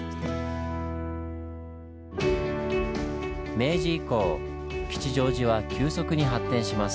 明治以降吉祥寺は急速に発展します。